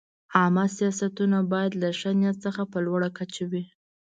عامه سیاستونه باید له ښه نیت څخه په لوړه کچه وي.